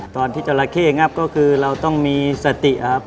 ตอนที่จราเข้งับก็คือเราต้องมีสติครับ